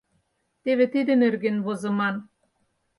Теве тиде нерген возыман.